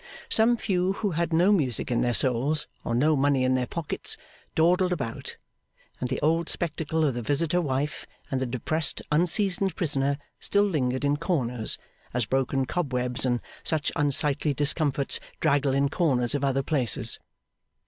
Some few who had no music in their souls, or no money in their pockets, dawdled about; and the old spectacle of the visitor wife and the depressed unseasoned prisoner still lingered in corners, as broken cobwebs and such unsightly discomforts draggle in corners of other places.